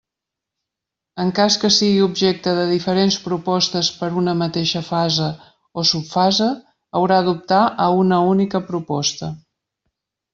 En cas que sigui objecte de diferents propostes per una mateixa fase o subfase haurà d'optar a una única proposta.